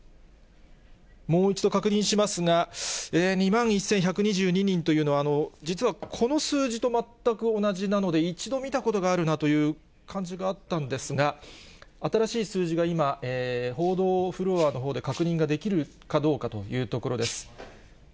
もう一度確認しますが、２万１１２２人というのは、実はこの数字と全く同じなので、一度見たことがあるなという感じがあったんですが、新しい数字が今、報道フロアのほうで確認ができるかというところです。